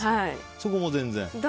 そこも全然？